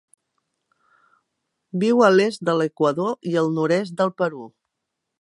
Viu a l'est de l'Equador i el nord-est del Perú.